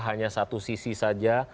hanya satu sisi saja